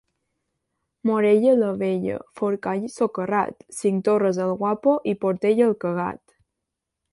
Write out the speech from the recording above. Morella la Vella, Forcall socarrat, Cinctorres el guapo i Portell el cagat.